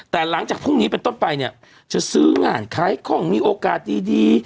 แต่หลังจากพรุ่งนี้เป็นต้นไปเนี่ยจะซื้องานขายคล่องมีโอกาสดี